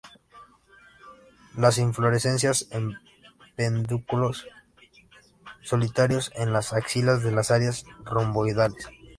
Las inflorescencias en pedúnculos solitarios en las axilas de las áreas romboidales.